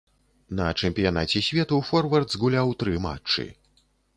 На чэмпіянаце свету форвард згуляў тры матчы.